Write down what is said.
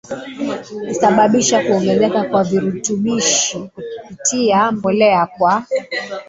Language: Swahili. husababisha kuongezeka kwa virutubishi kupitia mbolea kwa